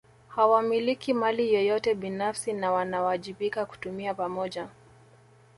Hawamiliki mali yeyote binafsi na wanawajibika kutumia pamoja